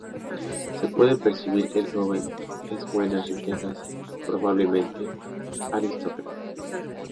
Se puede percibir que el joven es buenas riquezas; probablemente aristócrata.